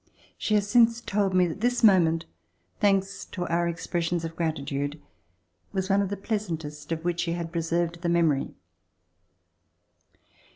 She has since told me that this moment, thanks to our expressions of gratitude, was one of the pleasantest of which she had preserved the memory.